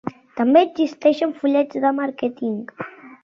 També existeixen fullets de màrqueting.